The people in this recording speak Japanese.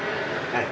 はい。